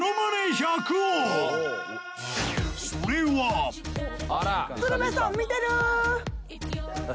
百王それは鶴瓶さん見てる？